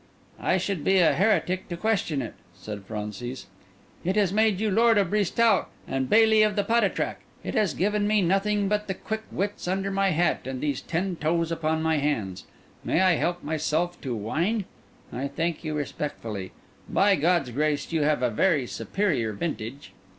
"I should be a heretic to question it," said Francis. "It has made you lord of Brisetout and bailly of the Patatrac; it has given me nothing but the quick wits under my hat and these ten toes upon my hands. May I help myself to wine? I thank you respectfully. By God's grace, you have a very superior vintage."